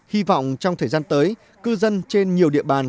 hy vọng trong thời gian tới cư dân trên nhiều địa bàn